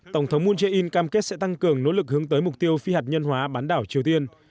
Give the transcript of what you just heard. tổng thống moon jae in cam kết sẽ tăng cường nỗ lực hướng tới mục tiêu phi hạt nhân hóa bán đảo triều tiên